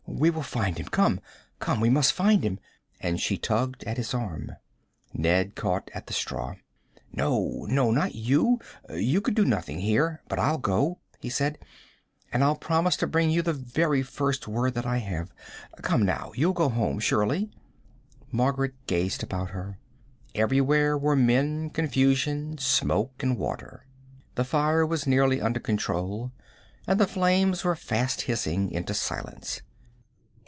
We will find him. Come! Come we must find him!" And she tugged at his arm. Ned caught at the straw. "No, no, not you you could do nothing here; but I'll go," he said. "And I'll promise to bring you the very first word that I can. Come, now you'll go home, surely!" Margaret gazed about her. Everywhere were men, confusion, smoke and water. The fire was clearly under control, and the flames were fast hissing into silence.